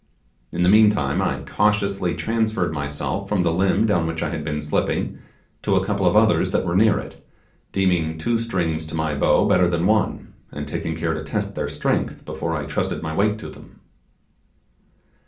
In the mean time I cautiously transferred myself from the limb down which I had been slipping to a couple of others that were near it, deeming two strings to my bow better than one, and taking care to test their strength before I trusted my weight to them.